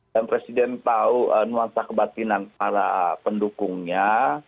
dan presiden tahu nuansa kebatinan para pendukungnya